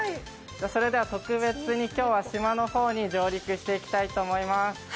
それでは特別に今日は島の方に上陸していきたいと思います。